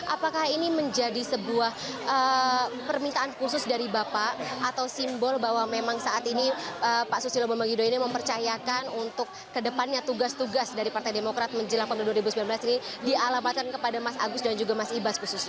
apakah ini menjadi sebuah permintaan khusus dari bapak atau simbol bahwa memang saat ini pak susilo bambang yudhoyono mempercayakan untuk kedepannya tugas tugas dari partai demokrat menjelang pemilu dua ribu sembilan belas ini dialamatkan kepada mas agus dan juga mas ibas khususnya